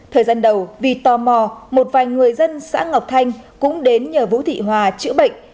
thời gian đầu vì tò mò một vài người dân xã ngọc thanh cũng đến nhờ vũ thị hòa chữa bệnh